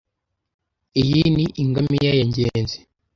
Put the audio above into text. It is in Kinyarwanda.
Iyi ni ingamiya ya Ngenzi.